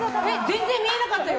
全然見えなかったよ！